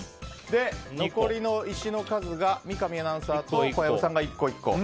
残りの石の数が三上アナウンサーと小籔さんが１個、１個。